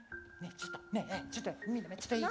ちょっとちょっといい？